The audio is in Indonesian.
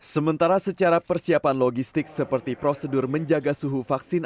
sementara secara persiapan logistik seperti prosedur menjaga suhu vaksin